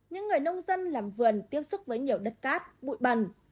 những người nông dân làm vườn tiếp xúc với nhiều đất cát bụi bẩn